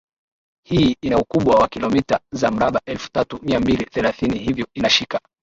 hii ina ukubwa wa kilometa za mraba elfu tatu mia mbili thelathini hivyo inashika